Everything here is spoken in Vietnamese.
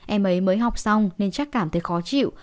em ấy mới học xong nên chắc cảm thấy khó chịu